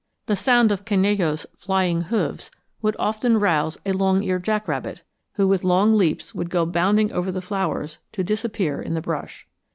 The sound of Canello's flying hoofs would often rouse a long eared jack rabbit, who with long leaps would go bounding over the flowers, to disappear in the brush.